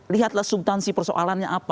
lihatlah subtansi persoalannya apa